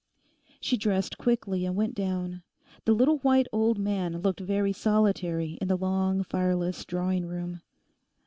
She dressed quickly and went down. The little white old man looked very solitary in the long, fireless, drawing room.